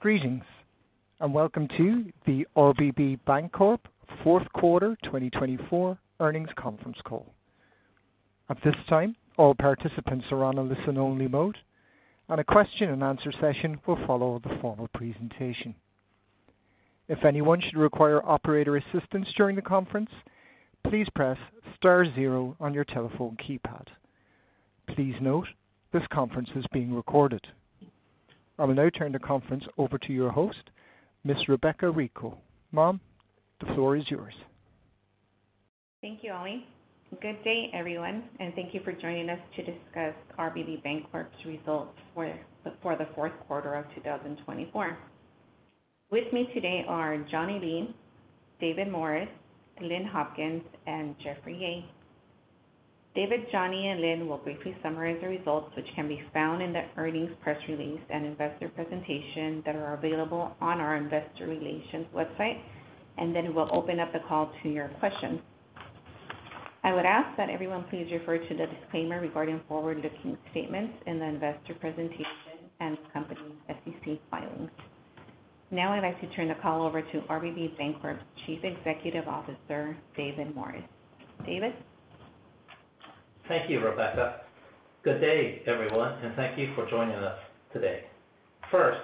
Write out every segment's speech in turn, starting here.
Greetings, and welcome to the RBB Bancorp fourth quarter 2024 earnings conference call. At this time, all participants are on a listen-only mode, and a question-and-answer session will follow the formal presentation. If anyone should require operator assistance during the conference, please press star zero on your telephone keypad. Please note this conference is being recorded. I will now turn the conference over to your host, Miss Rebeca Rico. Ma'am, the floor is yours. Thank you, Ali. Good day, everyone, and thank you for joining us to discuss RBB Bancorp's results for the fourth quarter of 2024. With me today are Johnny Lee, David Morris, Lynn Hopkins, and Jeffrey Yeh. David, Johnny, and Lynn will briefly summarize the results, which can be found in the earnings press release and investor presentation that are available on our investor relations website, and then we'll open up the call to your questions. I would ask that everyone please refer to the disclaimer regarding forward-looking statements in the investor presentation and the company's SEC filings. Now, I'd like to turn the call over to RBB Bancorp's Chief Executive Officer, David Morris. David? Thank you, Rebeca. Good day, everyone, and thank you for joining us today. First,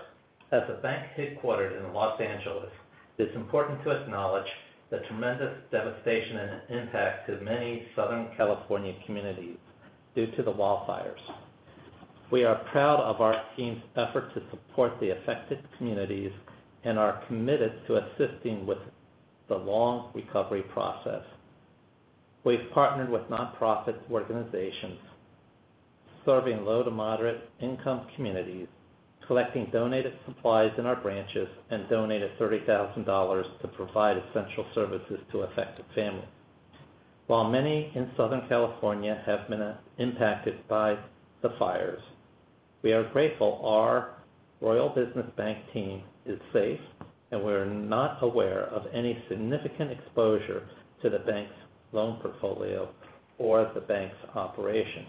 as a bank headquartered in Los Angeles, it's important to acknowledge the tremendous devastation and impact to many Southern California communities due to the wildfires. We are proud of our team's effort to support the affected communities and are committed to assisting with the long recovery process. We've partnered with nonprofit organizations serving low to moderate-income communities, collecting donated supplies in our branches, and donated $30,000 to provide essential services to affected families. While many in Southern California have been impacted by the fires, we are grateful our Royal Business Bank team is safe, and we are not aware of any significant exposure to the bank's loan portfolio or the bank's operations.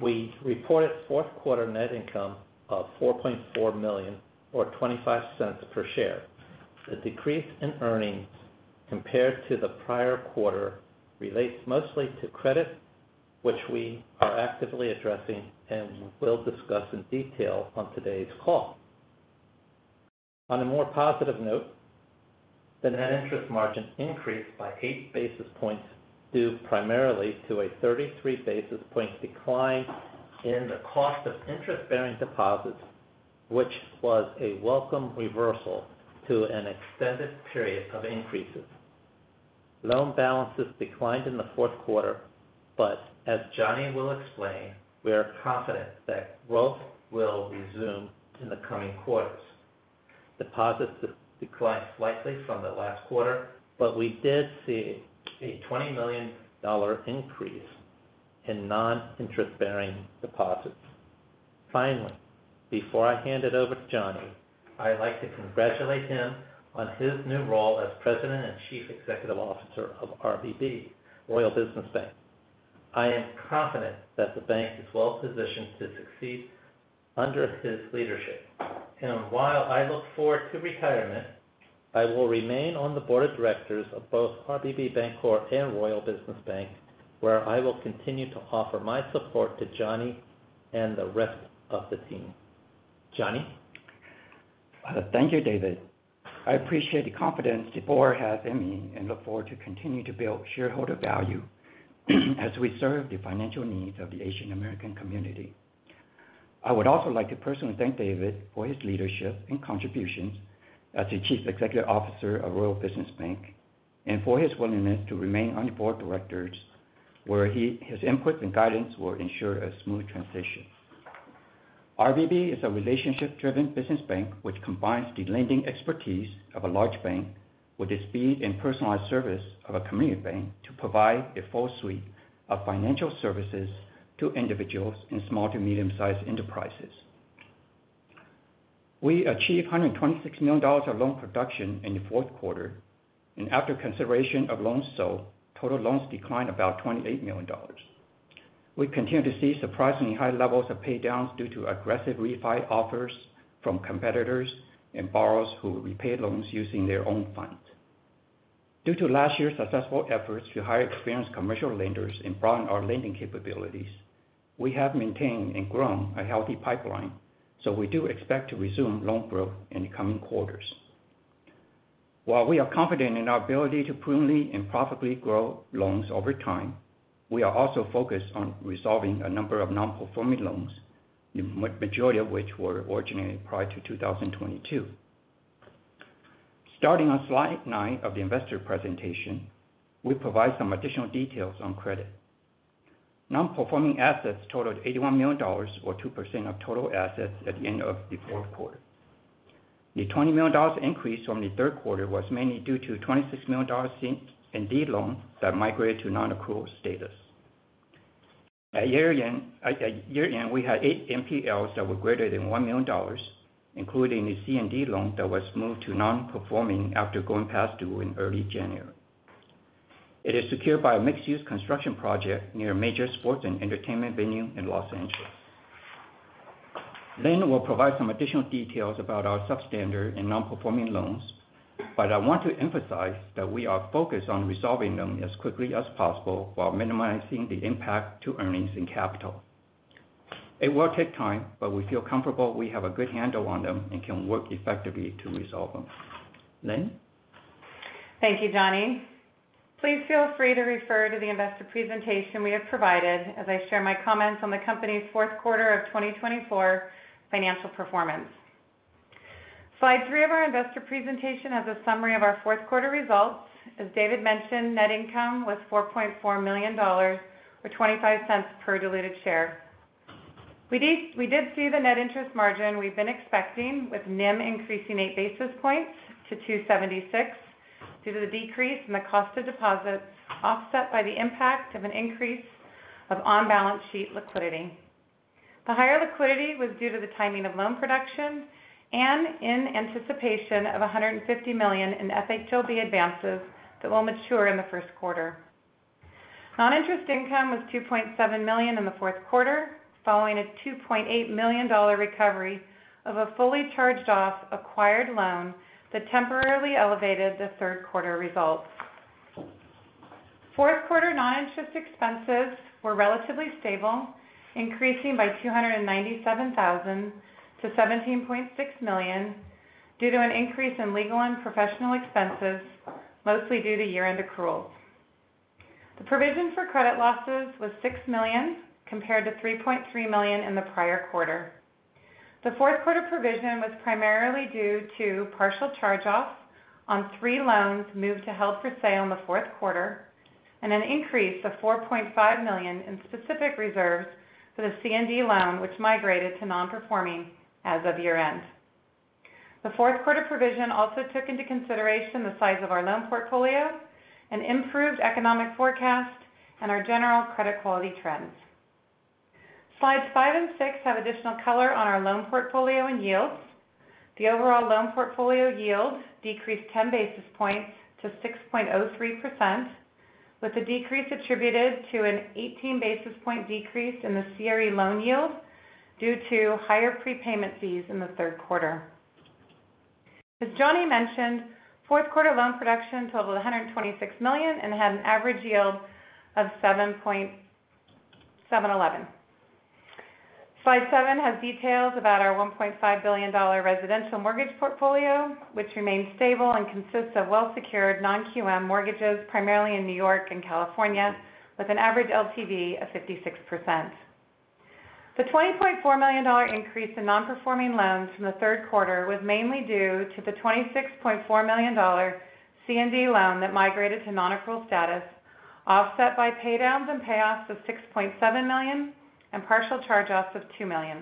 We reported fourth quarter net income of $4.4 million, or $0.25 per share. The decrease in earnings compared to the prior quarter relates mostly to credit, which we are actively addressing and will discuss in detail on today's call. On a more positive note, the net interest margin increased by eight basis points due primarily to a 33 basis point decline in the cost of interest-bearing deposits, which was a welcome reversal to an extended period of increases. Loan balances declined in the fourth quarter, but as Johnny will explain, we are confident that growth will resume in the coming quarters. Deposits declined slightly from the last quarter, but we did see a $20 million increase in non-interest-bearing deposits. Finally, before I hand it over to Johnny, I'd like to congratulate him on his new role as President and Chief Executive Officer of RBB Bancorp and Royal Business Bank. I am confident that the bank is well positioned to succeed under his leadership. While I look forward to retirement, I will remain on the Board of Directors of both RBB Bancorp and Royal Business Bank, where I will continue to offer my support to Johnny and the rest of the team. Johnny? Thank you, David. I appreciate the confidence the Board has in me and look forward to continuing to build shareholder value as we serve the financial needs of the Asian American community. I would also like to personally thank David for his leadership and contributions as the Chief Executive Officer of Royal Business Bank and for his willingness to remain on the Board of Directors, where his inputs and guidance will ensure a smooth transition. RBB is a relationship-driven business bank which combines the lending expertise of a large bank with the speed and personalized service of a community bank to provide a full suite of financial services to individuals and small to medium-sized enterprises. We achieved $126 million of loan production in the fourth quarter, and after consideration of loans sold, total loans declined about $28 million. We continue to see surprisingly high levels of paydowns due to aggressive refi offers from competitors and borrowers who repay loans using their own funds. Due to last year's successful efforts to hire experienced commercial lenders and broaden our lending capabilities, we have maintained and grown a healthy pipeline, so we do expect to resume loan growth in the coming quarters. While we are confident in our ability to prudently and profitably grow loans over time, we are also focused on resolving a number of non-performing loans, the majority of which were originated prior to 2022. Starting on slide nine of the investor presentation, we provide some additional details on credit. Non-performing assets totaled $81 million, or 2% of total assets at the end of the fourth quarter. The $20 million increase from the third quarter was mainly due to $26 million in C&D loans that migrated to non-accrual status. At year-end, we had eight NPLs that were greater than $1 million, including the C&D loan that was moved to non-performing after going past due in early January. It is secured by a mixed-use construction project near a major sports and entertainment venue in Los Angeles. Lynn will provide some additional details about our substandard and non-performing loans, but I want to emphasize that we are focused on resolving them as quickly as possible while minimizing the impact to earnings and capital. It will take time, but we feel comfortable we have a good handle on them and can work effectively to resolve them. Lynn? Thank you, Johnny. Please feel free to refer to the investor presentation we have provided as I share my comments on the company's fourth quarter of 2024 financial performance. Slide three of our investor presentation has a summary of our fourth quarter results. As David mentioned, net income was $4.4 million, or $0.25 per diluted share. We did see the net interest margin we've been expecting, with NIM increasing eight basis points to 2.76%, due to the decrease in the cost of deposits offset by the impact of an increase of on-balance sheet liquidity. The higher liquidity was due to the timing of loan production and in anticipation of $150 million in FHLB advances that will mature in the first quarter. Non-interest income was $2.7 million in the fourth quarter, following a $2.8 million recovery of a fully charged-off acquired loan that temporarily elevated the third quarter results. Fourth quarter non-interest expenses were relatively stable, increasing by $297,000 to $17.6 million due to an increase in legal and professional expenses, mostly due to year-end accruals. The provision for credit losses was $6 million compared to $3.3 million in the prior quarter. The fourth quarter provision was primarily due to partial charge-offs on three loans moved to held for sale in the fourth quarter and an increase of $4.5 million in specific reserves for the C&D loan, which migrated to non-performing as of year-end. The fourth quarter provision also took into consideration the size of our loan portfolio, an improved economic forecast, and our general credit quality trends. Slides five and six have additional color on our loan portfolio and yields. The overall loan portfolio yield decreased 10 basis points to 6.03%, with the decrease attributed to an 18 basis points decrease in the CRE loan yield due to higher prepayment fees in the third quarter. As Johnny mentioned, fourth quarter loan production totaled $126 million and had an average yield of 7.711%. Slide seven has details about our $1.5 billion residential mortgage portfolio, which remains stable and consists of well-secured non-QM mortgages primarily in New York and California, with an average LTV of 56%. The $20.4 million increase in non-performing loans from the third quarter was mainly due to the $26.4 million C&D loan that migrated to non-accrual status, offset by paydowns and payoffs of $6.7 million and partial charge-offs of $2 million.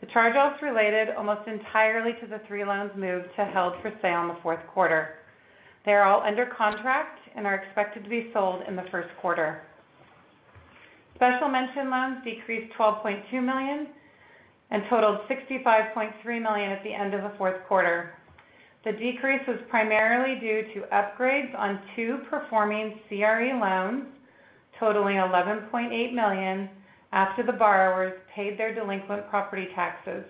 The charge-offs related almost entirely to the three loans moved to held for sale in the fourth quarter. They are all under contract and are expected to be sold in the first quarter. Special mention loans decreased $12.2 million and totaled $65.3 million at the end of the fourth quarter. The decrease was primarily due to upgrades on two performing CRE loans totaling $11.8 million after the borrowers paid their delinquent property taxes.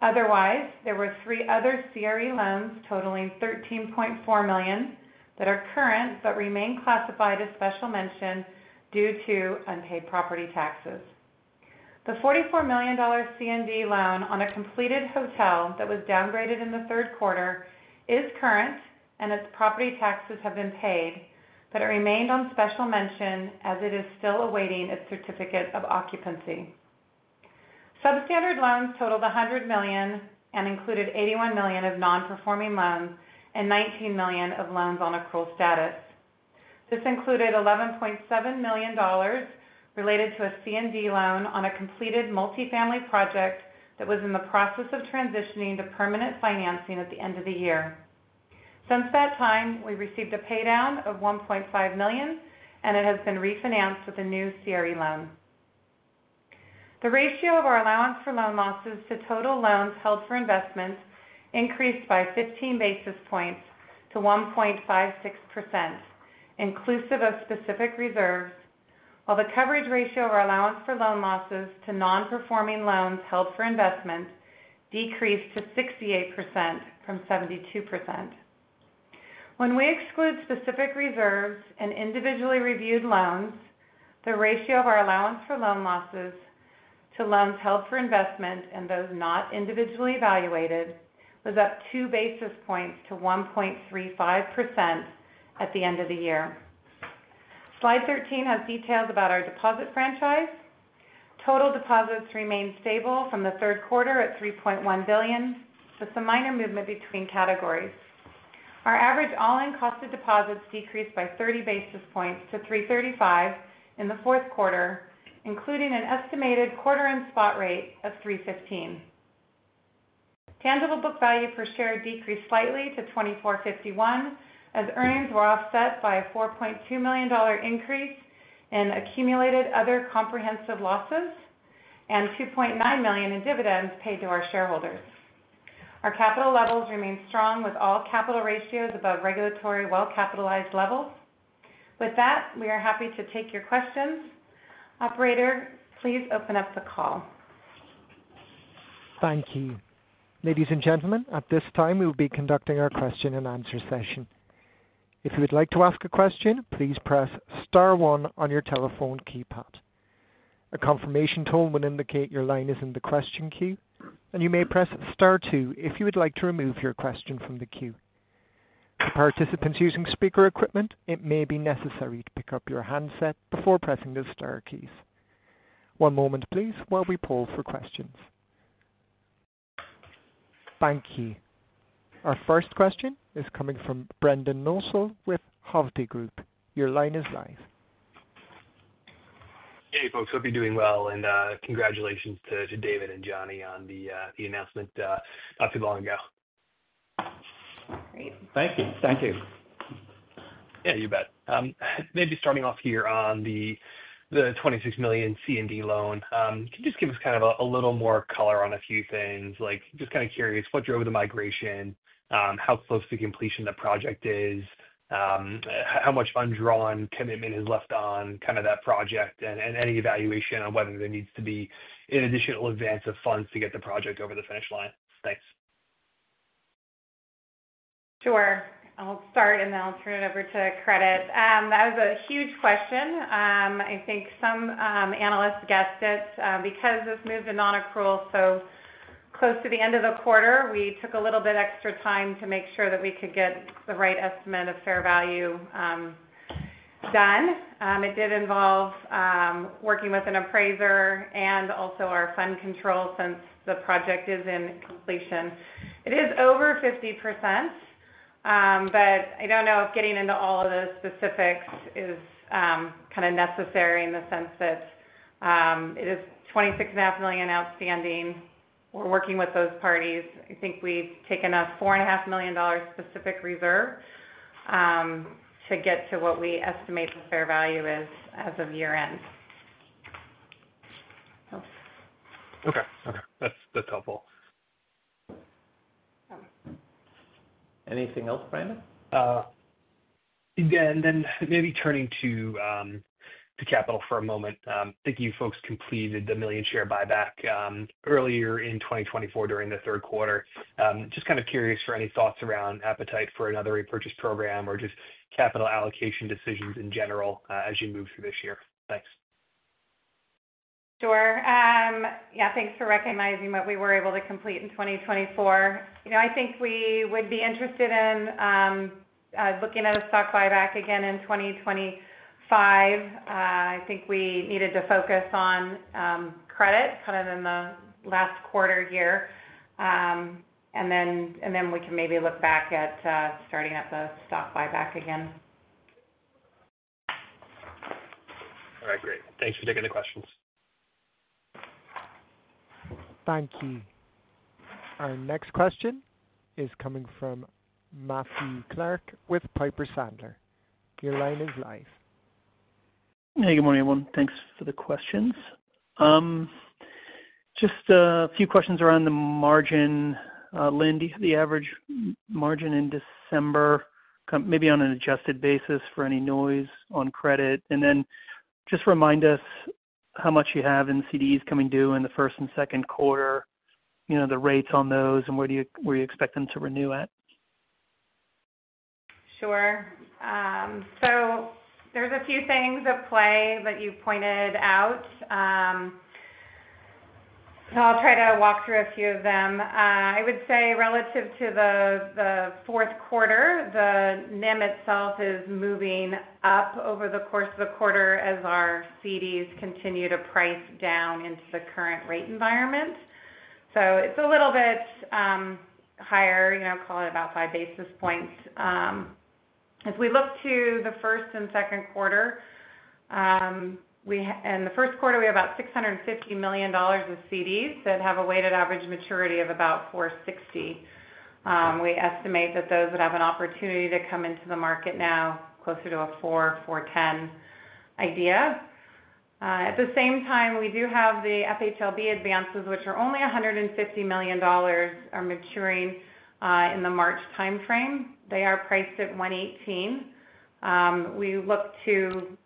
Otherwise, there were three other CRE loans totaling $13.4 million that are current but remain classified as special mention due to unpaid property taxes. The $44 million C&D loan on a completed hotel that was downgraded in the third quarter is current, and its property taxes have been paid, but it remained on special mention as it is still awaiting its certificate of occupancy. Substandard loans totaled $100 million and included $81 million of non-performing loans and $19 million of loans on accrual status. This included $11.7 million related to a C&D loan on a completed multifamily project that was in the process of transitioning to permanent financing at the end of the year. Since that time, we received a paydown of $1.5 million, and it has been refinanced with a new CRE loan. The ratio of our allowance for loan losses to total loans held for investment increased by 15 basis points to 1.56%, inclusive of specific reserves, while the coverage ratio of our allowance for loan losses to non-performing loans held for investment decreased to 68% from 72%. When we exclude specific reserves and individually reviewed loans, the ratio of our allowance for loan losses to loans held for investment and those not individually evaluated was up two basis points to 1.35% at the end of the year. Slide 13 has details about our deposit franchise. Total deposits remained stable from the third quarter at $3.1 billion, with some minor movement between categories. Our average all-in cost of deposits decreased by 30 basis points to 3.35% in the fourth quarter, including an estimated quarter-end spot rate of 3.15%. Tangible book value per share decreased slightly to $24.51 as earnings were offset by a $4.2 million increase in accumulated other comprehensive losses and $2.9 million in dividends paid to our shareholders. Our capital levels remained strong with all capital ratios above regulatory well-capitalized levels. With that, we are happy to take your questions. Operator, please open up the call. Thank you. Ladies and gentlemen, at this time, we will be conducting our question-and-answer session. If you would like to ask a question, please press star one on your telephone keypad. A confirmation tone will indicate your line is in the question queue, and you may press star two if you would like to remove your question from the queue. For participants using speaker equipment, it may be necessary to pick up your handset before pressing the star keys. One moment, please, while we poll for questions. Thank you. Our first question is coming from Brendan Nosal with Hovde Group. Your line is live. Hey, folks. Hope you're doing well, and congratulations to David and Johnny on the announcement not too long ago. Great. Thank you. Thank you. Yeah, you bet. Maybe starting off here on the $26 million C&D loan, can you just give us kind of a little more color on a few things? Just kind of curious, what drove the migration? How close to completion the project is? How much undrawn commitment is left on kind of that project? And any evaluation on whether there needs to be an additional advance of funds to get the project over the finish line? Thanks. Sure. I'll start, and then I'll turn it over to Credit. That was a huge question. I think some analysts guessed it because this moved to non-accrual so close to the end of the quarter. We took a little bit extra time to make sure that we could get the right estimate of fair value done. It did involve working with an appraiser and also our fund control since the project is in completion. It is over 50%, but I don't know if getting into all of those specifics is kind of necessary in the sense that it is $26.5 million outstanding. We're working with those parties. I think we've taken a $4.5 million specific reserve to get to what we estimate the fair value is as of year-end. Okay. Okay. That's helpful. Anything else, Brendan? Yeah. And then maybe turning to capital for a moment. I think you folks completed the one-million-share buyback earlier in 2024 during the third quarter. Just kind of curious for any thoughts around appetite for another repurchase program or just capital allocation decisions in general as you move through this year? Thanks. Sure. Yeah. Thanks for recognizing what we were able to complete in 2024. I think we would be interested in looking at a stock buyback again in 2025. I think we needed to focus on credit kind of in the last quarter here, and then we can maybe look back at starting up the stock buyback again. All right. Great. Thanks for taking the questions. Thank you. Our next question is coming from Matthew Clark with Piper Sandler. Your line is live. Hey, good morning, everyone. Thanks for the questions. Just a few questions around the margin. Lynn, do you have the average margin in December? Maybe on an adjusted basis for any noise on credit. And then just remind us how much you have in CDs coming due in the first and second quarter, the rates on those, and where you expect them to renew at. Sure. So there's a few things at play that you've pointed out. So I'll try to walk through a few of them. I would say relative to the fourth quarter, the NIM itself is moving up over the course of the quarter as our CDs continue to price down into the current rate environment. So it's a little bit higher, call it about five basis points. As we look to the first and second quarter, in the first quarter, we have about $650 million of CDs that have a weighted average maturity of about 460. We estimate that those would have an opportunity to come into the market now closer to a 4.10% area. At the same time, we do have the FHLB advances, which are only $150 million, are maturing in the March timeframe. They are priced at 1.18%. We look to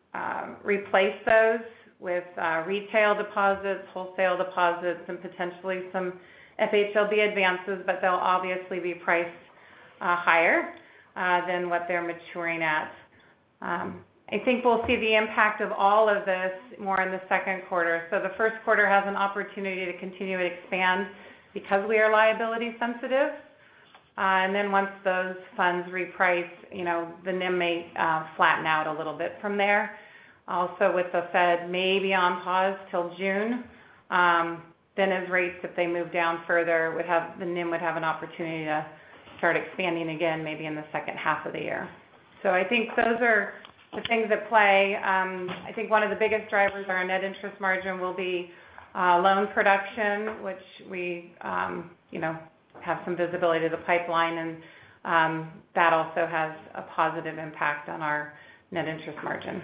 replace those with retail deposits, wholesale deposits, and potentially some FHLB advances, but they'll obviously be priced higher than what they're maturing at. I think we'll see the impact of all of this more in the second quarter. The first quarter has an opportunity to continue and expand because we are liability sensitive. Then once those funds reprice, the NIM may flatten out a little bit from there. Also, with the Fed, may be on pause till June, then as rates, if they move down further, the NIM would have an opportunity to start expanding again maybe in the second half of the year. I think those are the things at play. I think one of the biggest drivers of our net interest margin will be loan production, which we have some visibility to the pipeline, and that also has a positive impact on our net interest margin.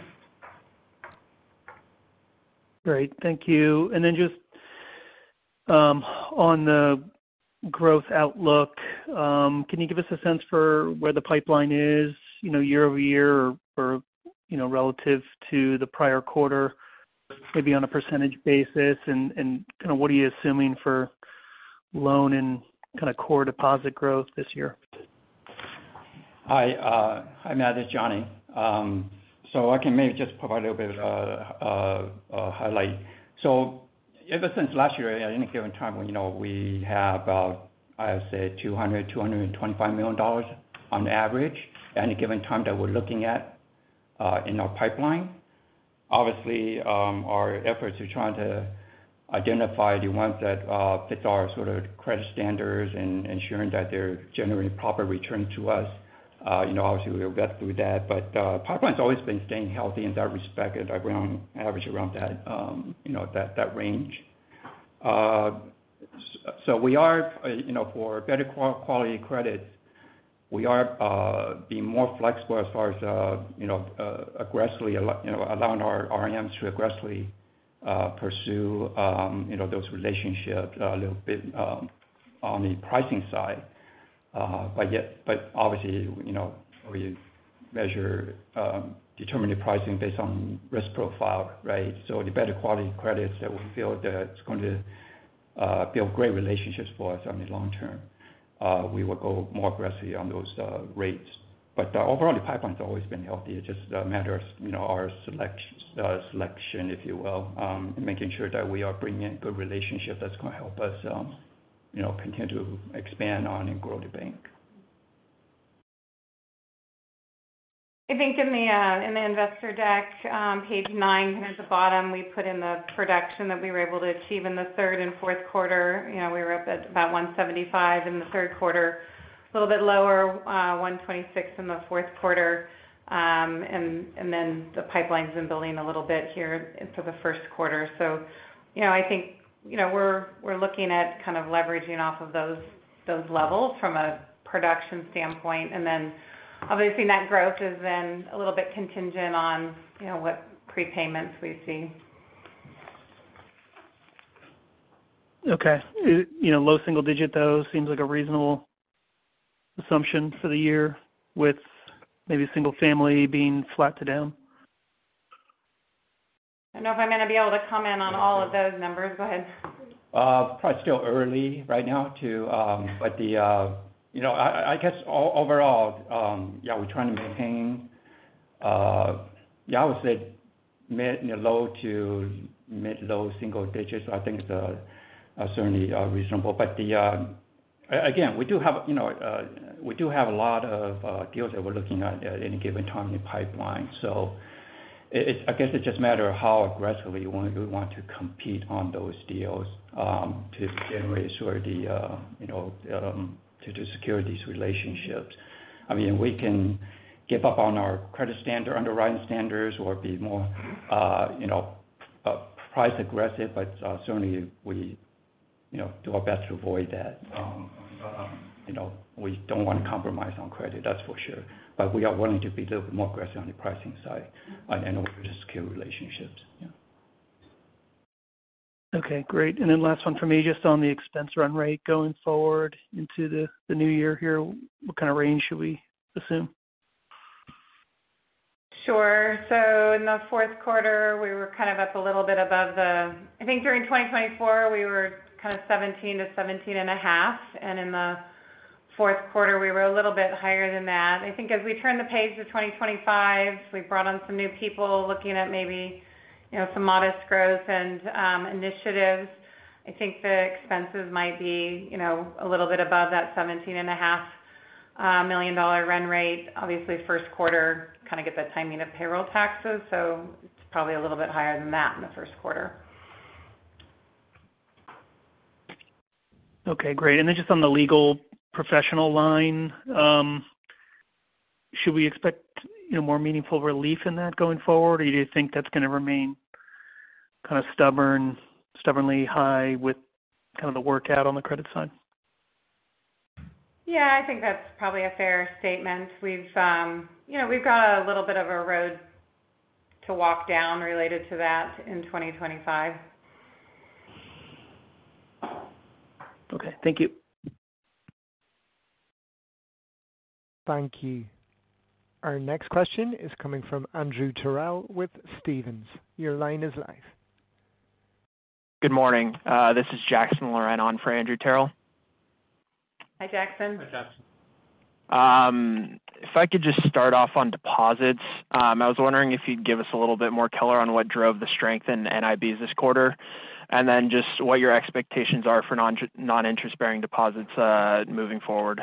Great. Thank you. And then just on the growth outlook, can you give us a sense for where the pipeline is year over year or relative to the prior quarter, maybe on a percentage basis? And kind of what are you assuming for loan and kind of core deposit growth this year? Hi. Hi Matt, this is Johnny. So I can maybe just provide a little bit of a highlight. So ever since last year, at any given time, we have, I'd say, $200 million-$225 million on average, at any given time that we're looking at in our pipeline. Obviously, our efforts are trying to identify the ones that fit our sort of credit standards and ensuring that they're generating proper returns to us. Obviously, we'll get through that. But the pipeline's always been staying healthy in that respect, and we're on average around that range. So for better quality credits, we are being more flexible as far as aggressively allowing our RMs to aggressively pursue those relationships a little bit on the pricing side. But obviously, we measure determining pricing based on risk profile, right? So the better quality credits that we feel that's going to build great relationships for us on the long term, we will go more aggressively on those rates. But overall, the pipeline's always been healthy. It just matters our selection, if you will, and making sure that we are bringing in good relationships that's going to help us continue to expand on and grow the bank. I think in the investor deck, page nine, kind of at the bottom, we put in the production that we were able to achieve in the third and fourth quarter. We were up at about $175 in the third quarter, a little bit lower, $126 in the fourth quarter. And then the pipeline's been building a little bit here for the first quarter. So I think we're looking at kind of leveraging off of those levels from a production standpoint. And then obviously, that growth has been a little bit contingent on what prepayments we see. Okay. Low single digit, though, seems like a reasonable assumption for the year with maybe single family being flat to down. I don't know if I'm going to be able to comment on all of those numbers. Go ahead. Probably still early right now, but I guess overall, yeah, we're trying to maintain, yeah, I would say mid- and low- to mid-low single digits. I think it's certainly reasonable. But again, we do have a lot of deals that we're looking at at any given time in the pipeline. So I guess it just matters how aggressively we want to compete on those deals to generate sort of the to secure these relationships. I mean, we can give up on our credit standard, underwriting standards, or be more price-aggressive, but certainly, we do our best to avoid that. We don't want to compromise on credit, that's for sure. But we are willing to be a little bit more aggressive on the pricing side in order to secure relationships. Okay. Great. And then last one for me, just on the expense run rate going forward into the new year here, what kind of range should we assume? Sure. So in the fourth quarter, we were kind of up a little bit above the, I think during 2024, we were kind of $17 million-$17.5 million. And in the fourth quarter, we were a little bit higher than that. I think as we turn the page to 2025, we brought on some new people looking at maybe some modest growth and initiatives. I think the expenses might be a little bit above that $17.5 million run rate. Obviously, first quarter kind of gets that timing of payroll taxes, so it's probably a little bit higher than that in the first quarter. Okay. Great. And then just on the legal professional line, should we expect more meaningful relief in that going forward, or do you think that's going to remain kind of stubbornly high with kind of the work out on the credit side? Yeah. I think that's probably a fair statement. We've got a little bit of a road to walk down related to that in 2025. Okay. Thank you. Thank you. Our next question is coming from Andrew Terrell with Stephens. Your line is live. Good morning. This is Jackson Laurent on for Andrew Terrell. Hi, Jackson. Hi, Jackson. If I could just start off on deposits, I was wondering if you'd give us a little bit more color on what drove the strength in NIBs this quarter, and then just what your expectations are for non-interest-bearing deposits moving forward.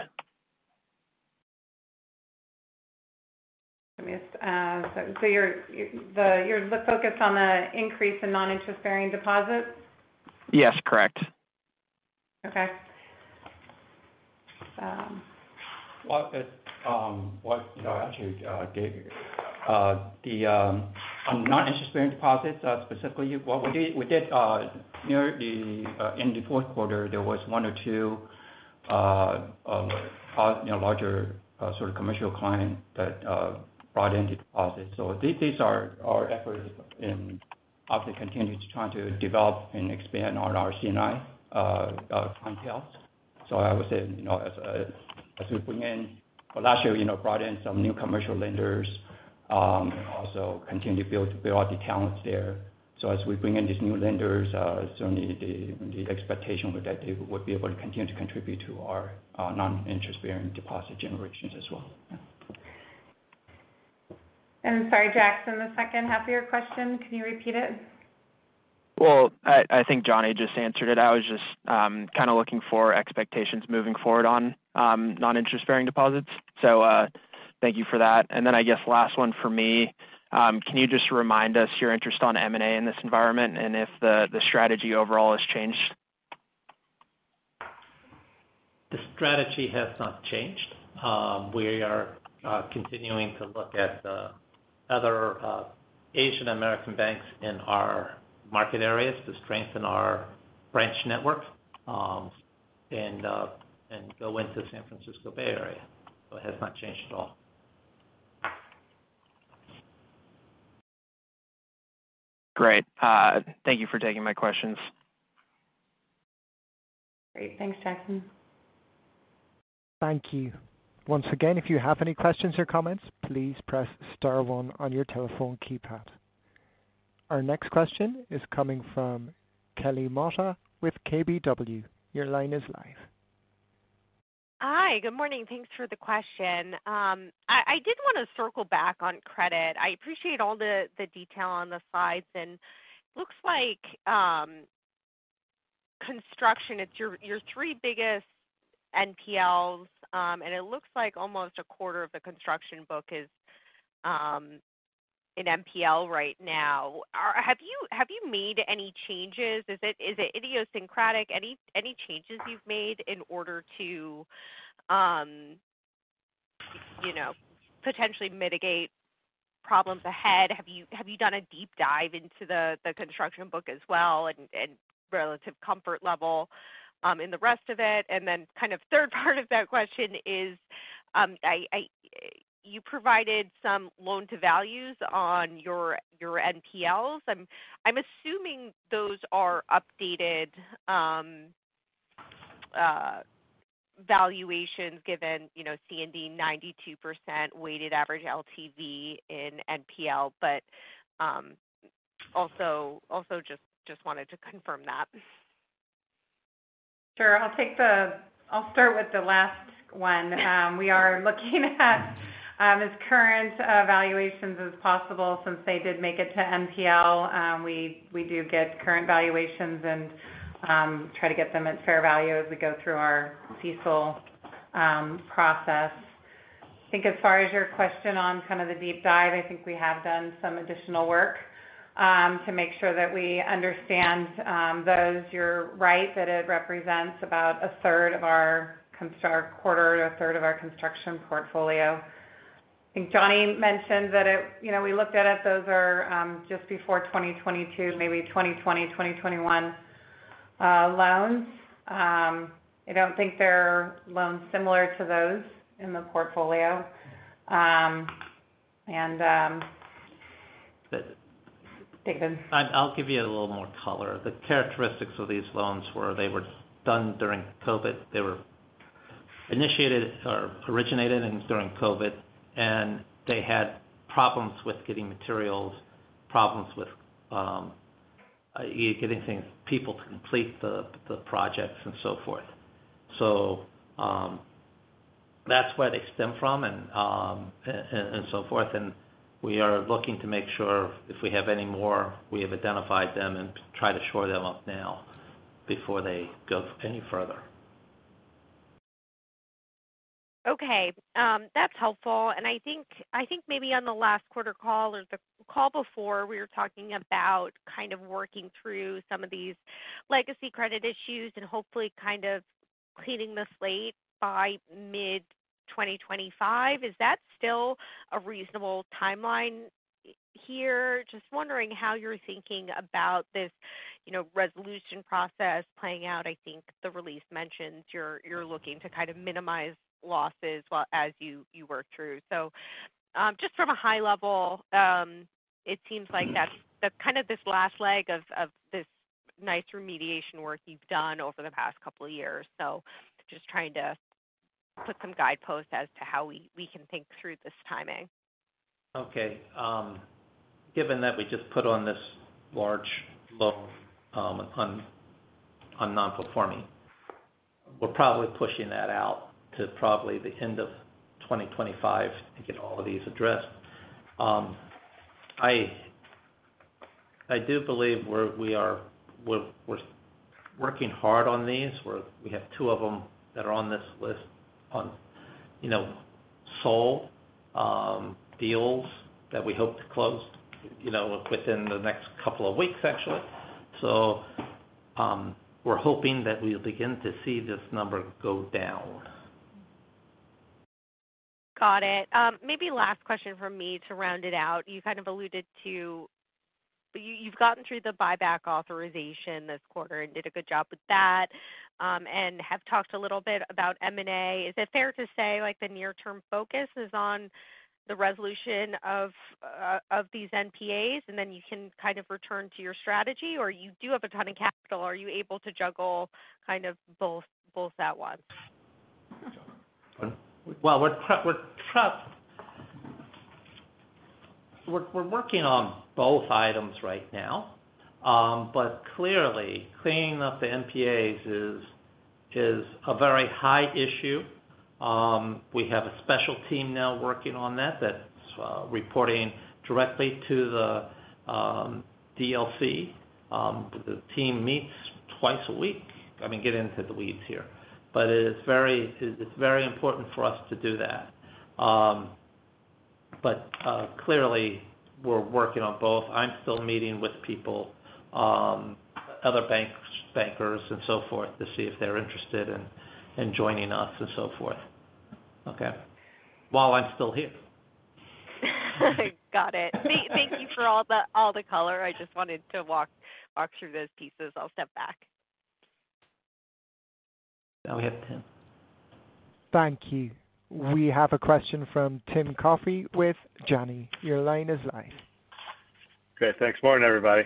So you're focused on the increase in non-interest-bearing deposits? Yes. Correct. Okay. Actually, the non-interest-bearing deposits specifically, what we did near the end of the fourth quarter, there was one or two larger sort of commercial clients that brought in deposits. So these are our efforts in obviously continuing to try to develop and expand on our C&I clientele. So I would say as we bring in, well, last year brought in some new commercial lenders, also continue to build out the talents there. So as we bring in these new lenders, certainly, the expectation would be that they would be able to continue to contribute to our non-interest-bearing deposit generations as well. Sorry, Jackson, the second half of your question, can you repeat it? I think Johnny just answered it. I was just kind of looking for expectations moving forward on non-interest-bearing deposits. Thank you for that. I guess last one for me, can you just remind us your interest on M&A in this environment and if the strategy overall has changed? The strategy has not changed. We are continuing to look at other Asian American banks in our market areas to strengthen our branch network and go into the San Francisco Bay Area, so it has not changed at all. Great. Thank you for taking my questions. Great. Thanks, Jackson. Thank you. Once again, if you have any questions or comments, please press star one on your telephone keypad. Our next question is coming from Kelly Motta with KBW. Your line is live. Hi. Good morning. Thanks for the question. I did want to circle back on Credit. I appreciate all the detail on the slides. And it looks like construction, it's your three biggest NPLs, and it looks like almost a quarter of the construction book is in NPL right now. Have you made any changes? Is it idiosyncratic? Any changes you've made in order to potentially mitigate problems ahead? Have you done a deep dive into the construction book as well and relative comfort level in the rest of it? And then kind of third part of that question is you provided some loan-to-values on your NPLs. I'm assuming those are updated valuations given C&D 92% weighted average LTV in NPL, but also just wanted to confirm that. Sure. I'll start with the last one. We are looking at as current valuations as possible since they did make it to NPL. We do get current valuations and try to get them at fair value as we go through our CECL process. I think as far as your question on kind of the deep dive, I think we have done some additional work to make sure that we understand those. You're right that it represents about a third of our quarter or a third of our construction portfolio. I think Johnny mentioned that we looked at those are just before 2022, maybe 2020, 2021 loans. I don't think there are loans similar to those in the portfolio. And David. I'll give you a little more color. The characteristics of these loans were they were done during COVID. They were initiated or originated during COVID, and they had problems with getting materials, problems with getting people to complete the projects, and so forth. So that's where they stem from and so forth. And we are looking to make sure if we have any more, we have identified them and try to shore them up now before they go any further. Okay. That's helpful, and I think maybe on the last quarter call or the call before, we were talking about kind of working through some of these legacy credit issues and hopefully kind of cleaning the slate by mid-2025. Is that still a reasonable timeline here? Just wondering how you're thinking about this resolution process playing out. I think the release mentions you're looking to kind of minimize losses as you work through. So just from a high level, it seems like that's kind of this last leg of this nice remediation work you've done over the past couple of years, so just trying to put some guideposts as to how we can think through this timing. Okay. Given that we just put on this large loan on non-performing, we're probably pushing that out to probably the end of 2025 to get all of these addressed. I do believe we're working hard on these. We have two of them that are on this list on sold deals that we hope to close within the next couple of weeks, actually. So we're hoping that we'll begin to see this number go down. Got it. Maybe last question from me to round it out. You kind of alluded to you've gotten through the buyback authorization this quarter and did a good job with that and have talked a little bit about M&A. Is it fair to say the near-term focus is on the resolution of these NPAs, and then you can kind of return to your strategy? Or you do have a ton of capital. Are you able to juggle kind of both at once? We're working on both items right now, but clearly, cleaning up the NPAs is a very high issue. We have a special team now working on that that's reporting directly to the DLC. The team meets twice a week. I mean, getting into the weeds here, but it's very important for us to do that. But clearly, we're working on both. I'm still meeting with people, other bankers, and so forth to see if they're interested in joining us and so forth, okay, while I'm still here. Got it. Thank you for all the color. I just wanted to walk through those pieces. I'll step back. Now we have Tim. Thank you. We have a question from Tim Coffey with Janney. Your line is live. Okay. Thanks for it, everybody.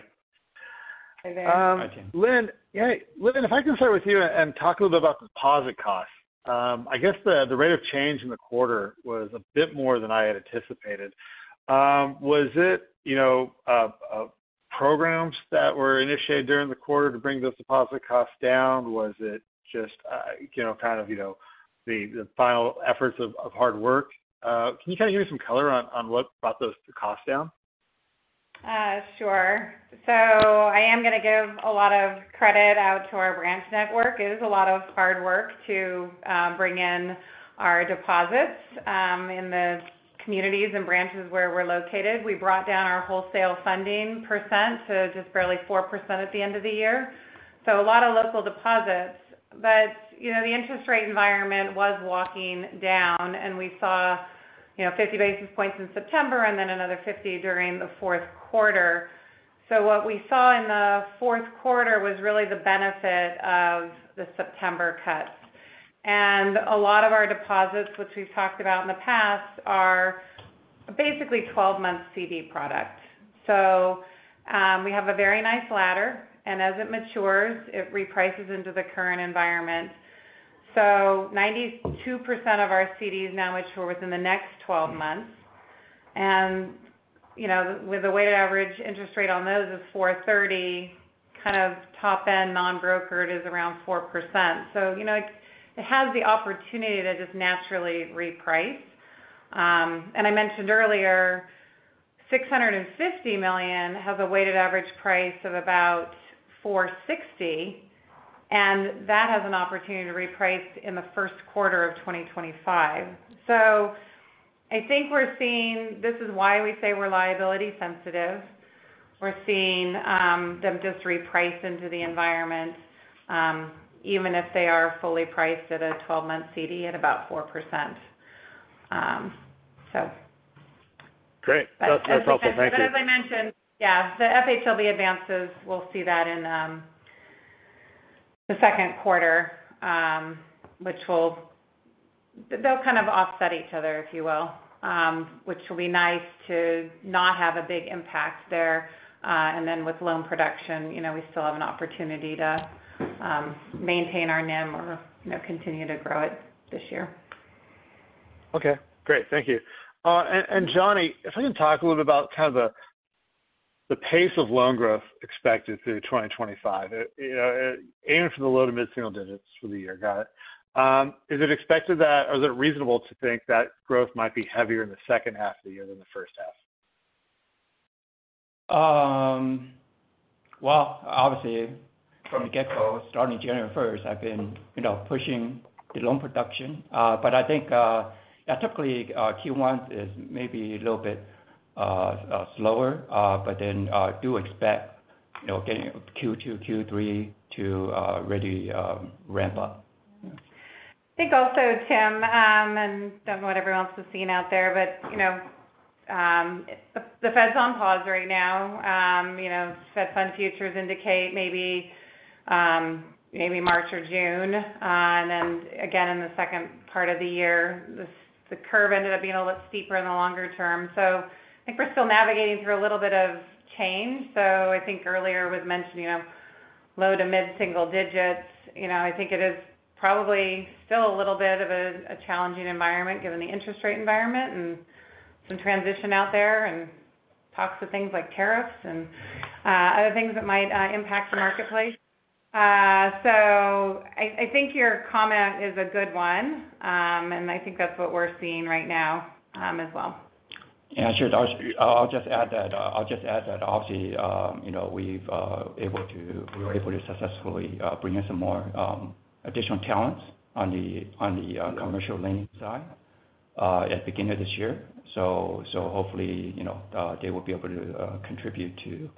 Hey, there. Hi, Tim. Lynn, if I can start with you and talk a little bit about deposit costs. I guess the rate of change in the quarter was a bit more than I had anticipated. Was it programs that were initiated during the quarter to bring those deposit costs down? Was it just kind of the final efforts of hard work? Can you kind of give me some color on what brought the costs down? Sure. So I am going to give a lot of credit out to our branch network. It was a lot of hard work to bring in our deposits in the communities and branches where we're located. We brought down our wholesale funding percent to just barely 4% at the end of the year. So a lot of local deposits. But the interest rate environment was walking down, and we saw 50 basis points in September and then another 50 during the fourth quarter. So what we saw in the fourth quarter was really the benefit of the September cuts. And a lot of our deposits, which we've talked about in the past, are basically 12-month CD product. So we have a very nice ladder, and as it matures, it reprices into the current environment. So 92% of our CDs now mature within the next 12 months. And with the weighted average interest rate on those is 4.30%, kind of top-end non-brokered is around 4%. So it has the opportunity to just naturally reprice. And I mentioned earlier, $650 million has a weighted average price of about 4.60%, and that has an opportunity to reprice in the first quarter of 2025. So I think we're seeing this is why we say we're liability sensitive. We're seeing them just reprice into the environment, even if they are fully priced at a 12-month CD at about 4%, so. Great. That's helpful. Thank you. As I mentioned, yeah, the FHLB advances, we'll see that in the second quarter, which will kind of offset each other, if you will, which will be nice to not have a big impact there. And then with loan production, we still have an opportunity to maintain our NIM or continue to grow it this year. Okay. Great. Thank you. And Johnny, if I can talk a little bit about kind of the pace of loan growth expected through 2025, aiming for the low to mid-single digits for the year. Got it. Is it expected that or is it reasonable to think that growth might be heavier in the second half of the year than the first half? Obviously, from the get-go, starting January 1st, I've been pushing the loan production. I think typically, Q1 is maybe a little bit slower, but then do expect Q2, Q3 to really ramp up. I think also, Tim. I don't know what everyone else is seeing out there, but the Fed's on pause right now. Fed Funds futures indicate maybe March or June, and then again, in the second part of the year, the curve ended up being a little steeper in the longer term. I think we're still navigating through a little bit of change. Earlier was mentioned low to mid-single digits. I think it is probably still a little bit of a challenging environment given the interest rate environment and some transition out there and talks of things like tariffs and other things that might impact the marketplace. Your comment is a good one, and I think that's what we're seeing right now as well. Yeah. I'll just add that obviously, we were able to successfully bring in some more additional talents on the commercial lending side at the beginning of this year. So hopefully, they will be able to contribute to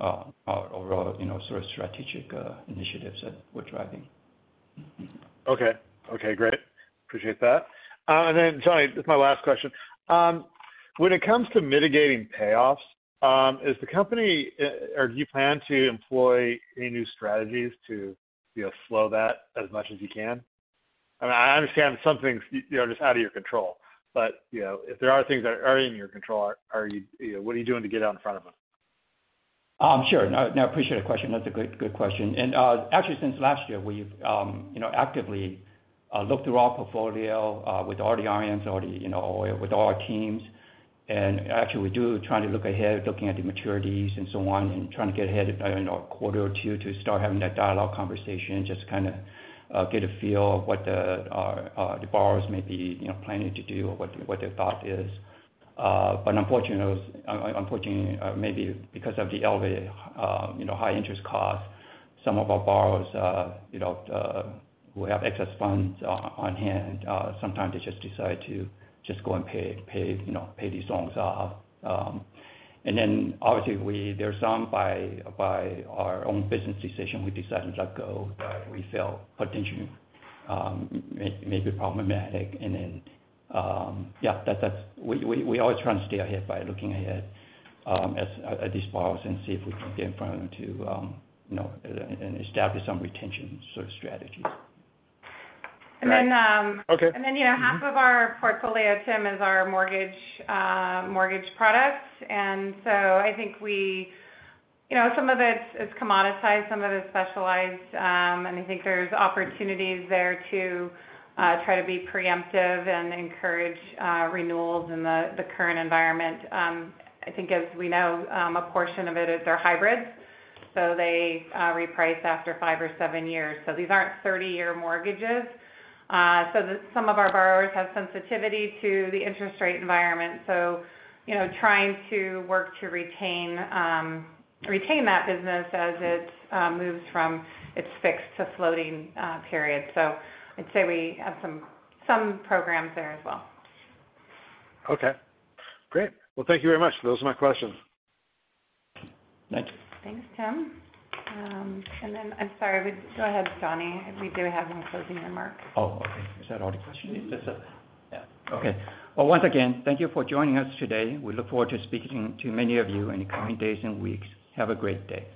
our overall sort of strategic initiatives that we're driving. Okay. Okay. Great. Appreciate that. And then, sorry, this is my last question. When it comes to mitigating payoffs, is the company or do you plan to employ any new strategies to slow that as much as you can? I mean, I understand some things are just out of your control, but if there are things that are in your control, what are you doing to get out in front of them? Sure. No, I appreciate the question. That's a good question. And actually, since last year, we've actively looked through our portfolio with all the RMs, with all our teams. And actually, we do try to look ahead, looking at the maturities and so on, and trying to get ahead in a quarter or two to start having that dialogue conversation, just to kind of get a feel of what the borrowers may be planning to do or what their thought is. But unfortunately, maybe because of the elevated high-interest costs, some of our borrowers who have excess funds on hand, sometimes they just decide to just go and pay these loans off. And then obviously, there are some, by our own business decision, we decided to let go that we felt potentially may be problematic. Yeah, we always try to stay ahead by looking ahead at these borrowers and see if we can get in front of them to establish some retention sort of strategies. And then half of our portfolio, Tim, is our mortgage products. And so I think some of it is commoditized, some of it is specialized. And I think there's opportunities there to try to be preemptive and encourage renewals in the current environment. I think, as we know, a portion of it is their hybrids. So they reprice after five or seven years. So these aren't 30-year mortgages. So some of our borrowers have sensitivity to the interest rate environment. So trying to work to retain that business as it moves from its fixed to floating period. So I'd say we have some programs there as well. Okay. Great. Well, thank you very much. Those are my questions. Thank you. Thanks, Tim. And then, I'm sorry, go ahead, Johnny. We do have one closing remark. Oh, okay. Is that all the questions? Yeah. Okay. Well, once again, thank you for joining us today. We look forward to speaking to many of you in the coming days and weeks. Have a great day.